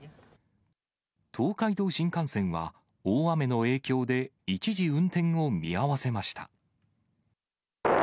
東海道新幹線は大雨の影響で、一時運転を見合わせました。